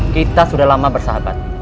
kita sudah lama bersahabat